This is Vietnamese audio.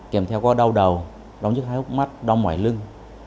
kèm theo có đau đầu đau nhức hái hút mắt đau ngoài lưng